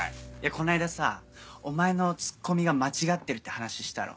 この間さお前のツッコミが間違ってるって話したろ？